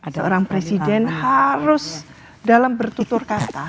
seorang presiden harus dalam bertutur kata